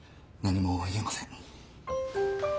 何も言えません。